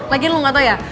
lagian lu nggak tau ya